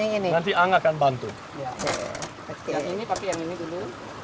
yang ini tapi yang ini dulu